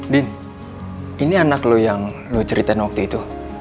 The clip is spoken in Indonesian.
din ini anak lo yang lo ceritain waktu itu